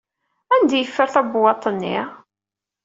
Anda i yeffer tabwaḍt-nni?